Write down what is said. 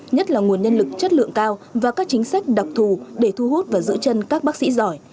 nhất là nguồn nhân lực chất lượng cao và các chính sách đặc thù để thu hút và giữ chân các bác sĩ giỏi